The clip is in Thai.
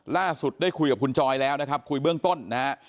ล่าสุดได้คุยกับคุณจอยแล้วนะครับคุยเบื้องต้นนะฮะ